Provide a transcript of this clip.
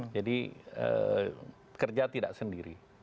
jadi kerja tidak sendiri